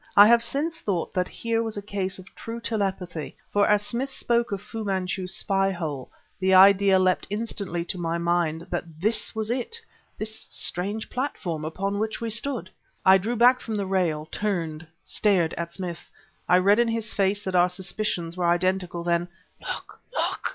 I have since thought that here was a case of true telepathy. For, as Smith spoke of Fu Manchu's spy hole, the idea leapt instantly to my mind that this was it this strange platform upon which we stood! I drew back from the rail, turned, stared at Smith. I read in his face that our suspicions were identical. Then "Look! Look!"